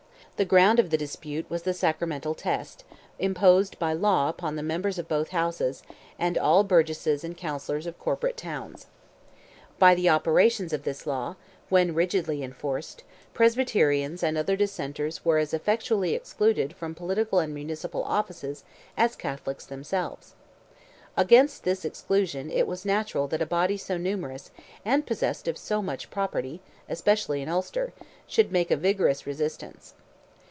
The ground of the dispute was the sacramental test, imposed by law upon the members of both Houses, and all burgesses and councillors of corporate towns. By the operations of this law, when rigidly enforced, Presbyterians and other dissenters were as effectually excluded from political and municipal offices as Catholics themselves. Against this exclusion it was natural that a body so numerous, and possessed of so much property, especially in Ulster, should make a vigorous resistance.